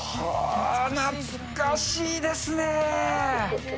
懐かしいですね。